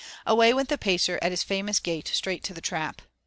Away went the Pacer at his famous gait straight to the trap.